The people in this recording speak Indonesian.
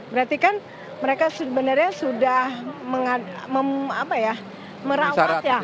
berarti kan mereka sebenarnya sudah merawat ya